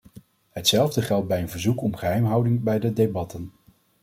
Hetzelfde geldt bij een verzoek om geheimhouding bij de debatten.